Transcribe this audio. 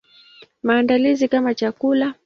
Maandalizi kama chakula.